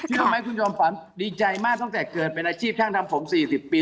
รู้ไหมคุณจอมฝันดีใจมากตั้งแต่เกิดเป็นอาชีพช่างทำผม๔๐ปี